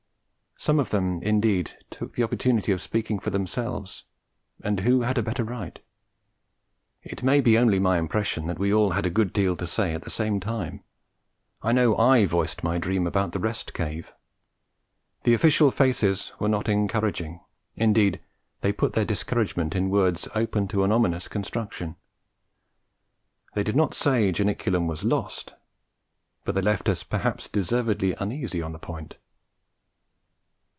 Some of them, indeed, took the opportunity of speaking for themselves; and who had a better right? It may be only my impression that we all had a good deal to say at the same time: I know I voiced my dream about the Rest Cave. The official faces were not encouraging; indeed, they put their discouragement in words open to an ominous construction. They did not say Janiculum was lost, but they left us perhaps deservedly uneasy on the point.